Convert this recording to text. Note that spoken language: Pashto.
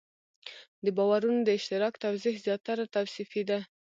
د باورونو د اشتراک توضیح زیاتره توصیفي ده.